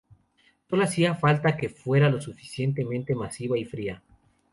Solo hacía falta que fuera lo suficientemente masiva y fría.